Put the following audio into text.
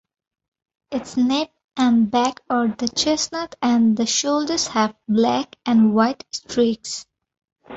Its nape and back are chestnut and the shoulders have black and white streaks.